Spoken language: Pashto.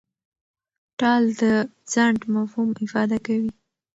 ټال د ځنډ مفهوم افاده کوي.